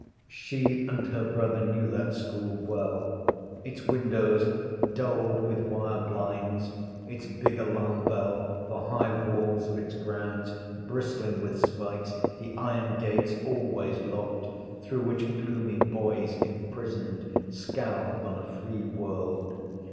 She and her brother knew that school well: its windows, dulled with wire blinds, its big alarm bell, the high walls of its grounds, bristling with spikes, the iron gates, always locked, through which gloomy boys, imprisoned, scowled on a free world.